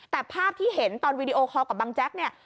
แต่ภาพที่เห็นตอนวีดีโอคอลกับบังแจ๊กเนี่ย